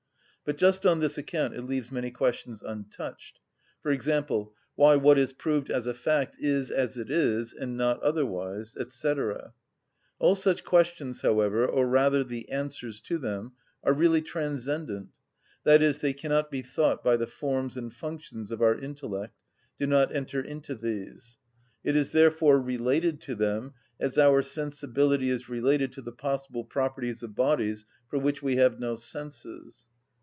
But just on this account it leaves many questions untouched; for example, why what is proved as a fact is as it is and not otherwise, &c. All such questions, however, or rather the answers to them, are really transcendent, i.e., they cannot be thought by the forms and functions of our intellect, do not enter into these; it is therefore related to them as our sensibility is related to the possible properties of bodies for which we have no senses.